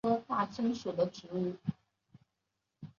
佛坛也是日本人供奉祖宗神位的地方。